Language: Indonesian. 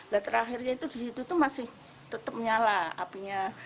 nah terakhirnya itu di situ masih tetap menyala apinya